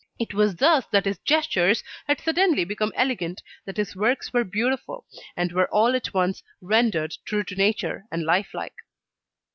It was thus that his gestures had suddenly become elegant, that his works were beautiful, and were all at once rendered true to nature, and life like.